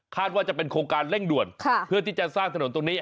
ว่าจะเป็นโครงการเร่งด่วนเพื่อที่จะสร้างถนนตรงนี้